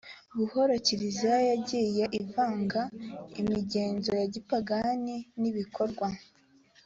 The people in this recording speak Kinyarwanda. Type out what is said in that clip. buhoro kiliziya yagiye ivanga imigenzo ya gipagani n ibikorwa